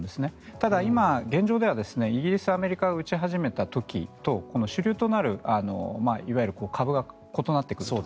ただ、今、現状ではイギリスやアメリカが打ち始めた時と主流となるいわゆる株が異なってくると。